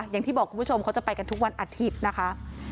อย่างที่บอกคุณผู้ชมเขาจะไปกันทุกวันอาทิตย์นะคะ